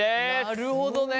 なるほどね。